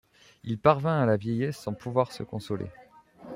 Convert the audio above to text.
Il parvint à la vieillesse sans pouvoir se consoler.